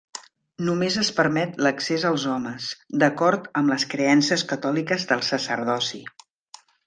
Només es permet l'accés als homes, d'acord amb les creences catòliques del sacerdoci.